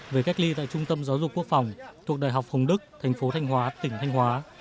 về cách ly tại trung tâm giáo dục quốc phòng thuộc đại học hồng đức thành phố thanh hóa tỉnh thanh hóa